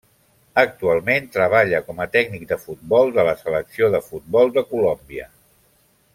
Actualment treballa com a tècnic de futbol de la selecció de futbol de Colòmbia.